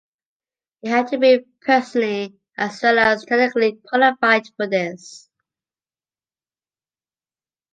He had to be personally as well as technically qualified for this.